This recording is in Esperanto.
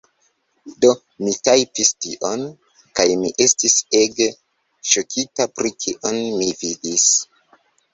Do, mi tajpis tion... kaj mi estis ege ŝokita pri kion mi vidis